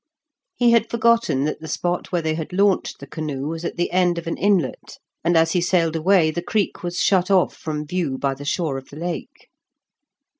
He had forgotten that the spot where they had launched the canoe was at the end of an inlet, and as he sailed away the creek was shut off from view by the shore of the Lake.